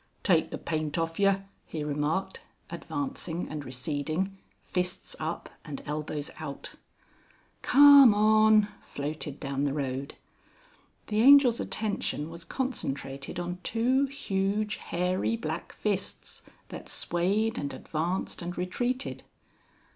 "Take the paint off yer," he remarked, advancing and receding, fists up and elbows out. "Carm on," floated down the road. The Angel's attention was concentrated on two huge hairy black fists, that swayed and advanced and retreated.